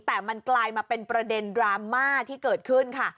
แต่มันกลายมาเป็นประเด็นดราม่าที่เกิดขึ้นค่ะ